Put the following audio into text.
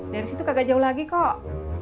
dari situ kagak jauh lagi kok